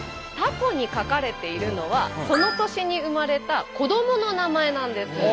たこに書かれているのはその年に生まれた子どもの名前なんです。